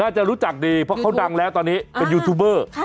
จะรู้จักดีเพราะเขาดังแล้วตอนนี้เป็นยูทูบเบอร์